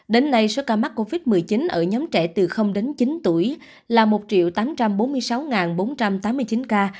đến nay số ca mắc covid một mươi chín ở nhóm trẻ từ đến chín tuổi là một tám trăm bốn mươi sáu bốn trăm tám mươi chín ca